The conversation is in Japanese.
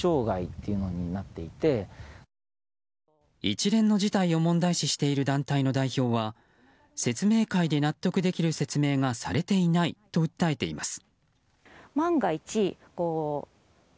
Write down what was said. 一連の事態を問題視している団体の代表は説明会で納得できる説明がされていないと訴えています。